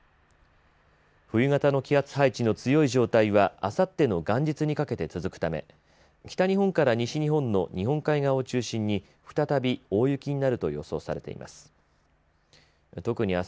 冬型の気圧配置の強い状態はあさっての元日にかけて続くため北日本から西日本の日本海側を中心に再び大雪になると予想されています。